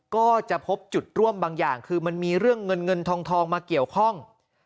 ก็จะพบจุดร่วมบางอย่างคือมันมีเรื่องเงินเงินทองมาเกี่ยวข้อง